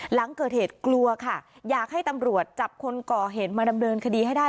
หลังเกิดเหตุกลัวค่ะอยากให้ตำรวจจับคนก่อเหตุมาดำเนินคดีให้ได้